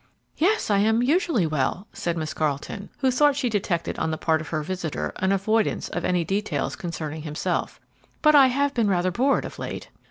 "Yes, I am usually well," said Miss Carleton, who thought she detected on the part of her visitor an avoidance of any details concerning himself; "but I have been rather bored of late."